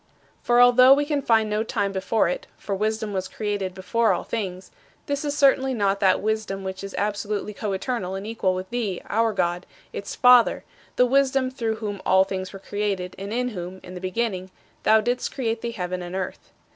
20. For, although we can find no time before it (for wisdom was created before all things), this is certainly not that Wisdom which is absolutely coeternal and equal with thee, our God, its Father, the Wisdom through whom all things were created and in whom, in the beginning, thou didst create the heaven and earth.